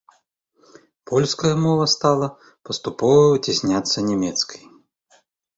Польская мова стала паступова выцясняцца нямецкай.